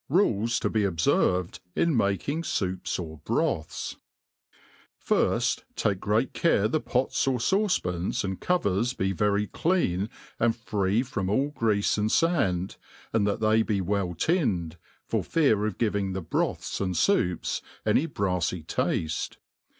RULES to be obferved in making SOUPS or BROTHS. FIRST take great care the pots or fauce pans and covers be very clean atid free from all greafe and fand, and that (hey be* well tinned, for fear of giving the broths and foups any brafiy tafte.